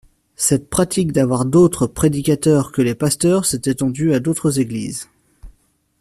Cette pratique d'avoir d'autres prédicateurs que les pasteurs s'est étendue à d'autres Églises.